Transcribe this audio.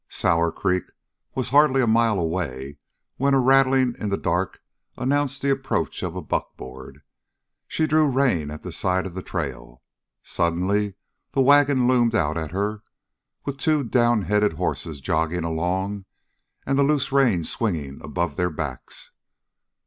Sour Creek was hardly a mile away when a rattling in the dark announced the approach of a buckboard. She drew rein at the side of the trail. Suddenly the wagon loomed out at her, with two down headed horses jogging along and the loose reins swinging above their backs.